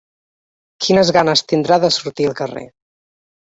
Quines ganes tindrà de sortir al carrer.